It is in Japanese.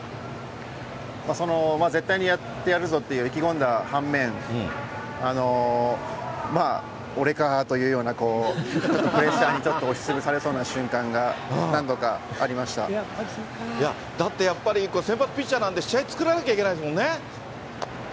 絶対にやってやるぞって意気込んだ半面、まあ、俺かというような、プレッシャーにちょっと押しつぶされそうな瞬間が何度かありましいや、だってやっぱり、先発ピッチャーなんで、試合作らなきゃいけないですもんね。